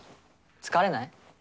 疲れない？